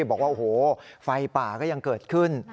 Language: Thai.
บอกว่าโอ้โหไฟป่าก็ยังเกิดขึ้น